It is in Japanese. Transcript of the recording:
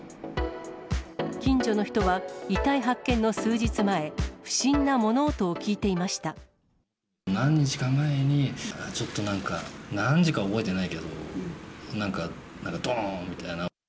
近所の人は、遺体発見の数日前、何日か前に、ちょっとなんか、何時か覚えてないけど、なんかどーんみたいな。